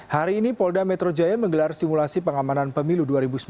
hari ini polda metro jaya menggelar simulasi pengamanan pemilu dua ribu sembilan belas